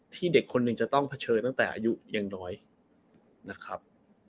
เด็กคนหนึ่งจะต้องเผชิญตั้งแต่อายุยังน้อยนะครับ